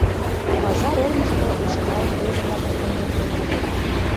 Пазар олмышко ушкал, презе-влакым конден теменыт.